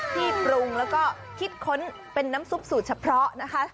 ที่ปรุงแล้วก็คิดค้นเป็นน้ำซุปสูตรเฉพาะนะคะ